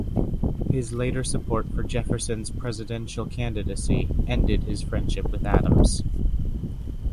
His later support for Jefferson's presidential candidacy ended his friendship with Adams.